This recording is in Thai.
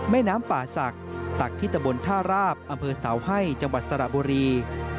แม่น้ำป่าศักดิ์ตักที่ตะบนท่าราบอำเภอเสาให้จังหวัดสระบุรี